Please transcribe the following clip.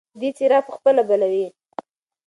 دی څراغ په خپله بلوي.